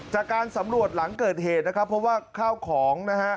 จากการสำรวจหลังเกิดเหตุนะครับเพราะว่าข้าวของนะฮะ